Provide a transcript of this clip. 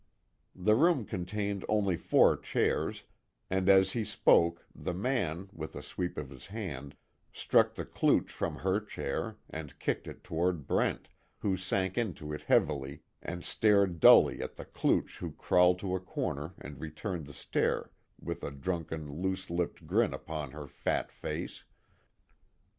The room contained only four chairs, and as he spoke, the man, with a sweep of his hand, struck the klooch from her chair, and kicked it toward Brent, who sank into it heavily, and stared dully at the klooch who crawled to a corner and returned the stare with a drunken, loose lipped grin upon her fat face.